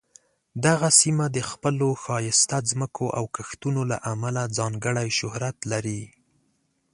دغه سیمه د خپلو ښایسته ځمکو او کښتونو له امله ځانګړې شهرت لري.